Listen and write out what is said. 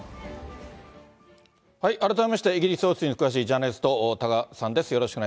改めまして、イギリス王室に詳しいジャーナリスト、多賀さんです。